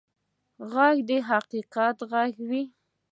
غږ د حقیقت غږ وي